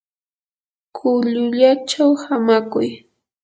kullullachaw hamakuy.